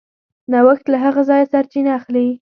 نوښت له هغه ځایه سرچینه اخلي.